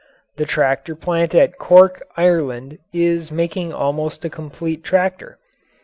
The tractor plant at Cork, Ireland, is making almost a complete tractor.